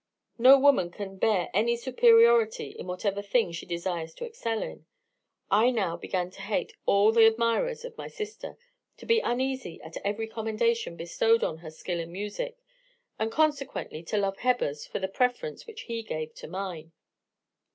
"No woman can bear any superiority in whatever thing she desires to excel in. I now began to hate all the admirers of my sister, to be uneasy at every commendation bestowed on her skill in music, and consequently to love Hebbers for the preference which he gave to mine.